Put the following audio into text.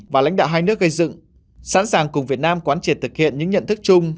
và lãnh đạo hai nước gây dựng sẵn sàng cùng việt nam quán triệt thực hiện những nhận thức chung